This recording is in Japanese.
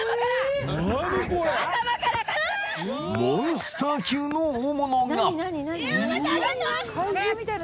［モンスター級の大物が］上がるの！？